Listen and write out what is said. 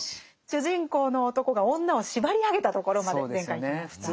主人公の男が女を縛り上げたところまで前回いきました。